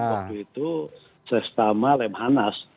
waktu itu sesetama lemhanas